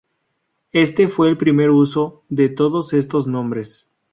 Este fue el primer uso de todos estos nombres.